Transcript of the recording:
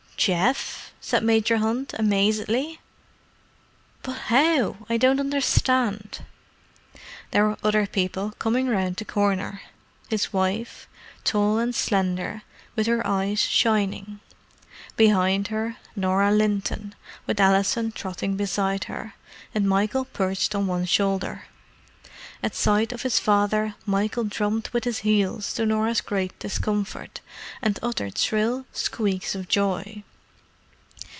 "Geoff!" said Major Hunt amazedly. "But how?—I don't understand." There were other people coming round the corner: his wife, tall and slender, with her eyes shining; behind her, Norah Linton, with Alison trotting beside her, and Michael perched on one shoulder. At sight of his father Michael drummed with his heels to Norah's great discomfort, and uttered shrill squeaks of joy.